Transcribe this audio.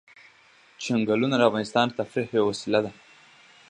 چنګلونه د افغانانو د تفریح یوه وسیله ده.